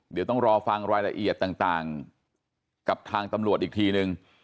เดี๋ยวต้องรอฟังรายละเอียดต่างกับทางตำรวจอีกทีนึง